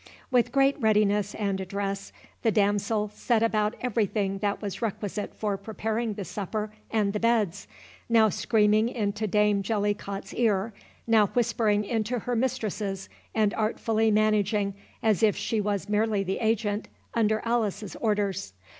With great readiness and address, the damsel set about every thing that was requisite for preparing the supper and the beds; now screaming into Dame Jellycot's ear, now whispering into her mistress's, and artfully managing, as if she was merely the agent, under Alice's orders.